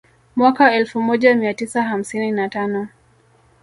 Mwaka elfu moja mia tisa hamsini na tano